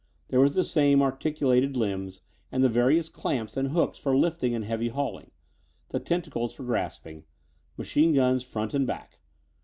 There were the same articulated limbs and the various clamps and hooks for lifting and heavy hauling; the tentacles for grasping; machine guns front and back.